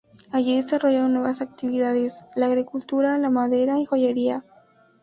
Allí desarrollaron nuevas actividades: la agricultura, la madera y joyería.